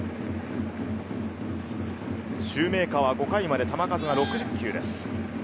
シューメーカーは５回まで球数が６０球です。